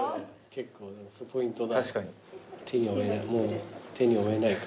結構ポイントだ。